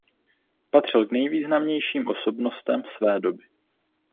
Patřil k nejvýznamnějším osobnostem své doby.